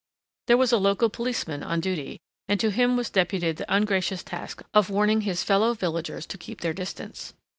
There was a local policeman on duty and to him was deputed the ungracious task of warning his fellow villagers to keep their distance.